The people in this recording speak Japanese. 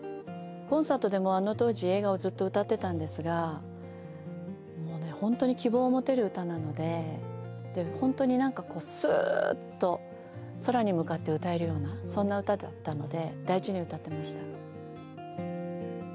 コンサートでもあの当時「笑顔」ずっと歌ってたんですが本当に希望を持てる歌なので本当になんかこうスーッと空に向かって歌えるようなそんな歌だったので大事に歌ってました。